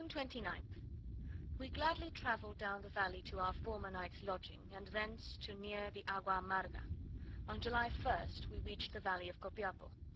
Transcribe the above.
June 29th We gladly travelled down the valley to our former night's lodging, and thence to near the Agua amarga. On July 1st we reached the valley of Copiapo.